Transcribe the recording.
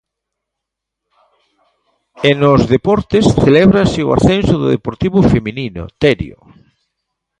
E nos deportes, celébrase o ascenso do Deportivo feminino, Terio.